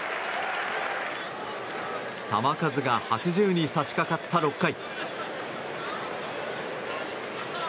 球数が８０に差し掛かった６回。